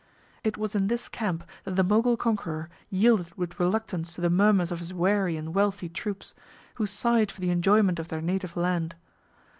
It was in this camp that the Mogul conqueror yielded with reluctance to the murmurs of his weary and wealthy troops, who sighed for the enjoyment of their native land.